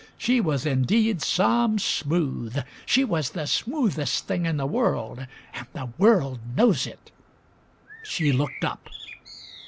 She was indeed some smooth. She was the smoothest tiling in the world, and the world knows it! She looked up.